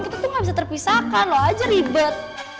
kita tuh nggak bisa terpisahkan lo aja ribet